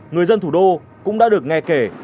người dân thủ đô cũng đã được nghe kể